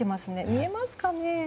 見えますかね。